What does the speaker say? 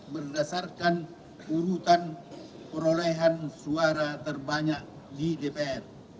berdasarkan urutan perolehan suara terbanyak di dpr